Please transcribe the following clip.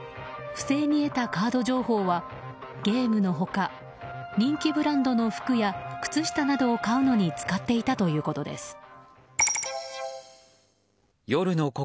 不正に得たカード情報はゲームの他人気ブランドの服や靴下などを買うのに使っていたということです。